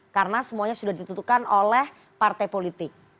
karena semuanya sudah ditutupkan oleh partai politik